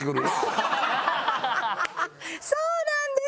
そうなんです。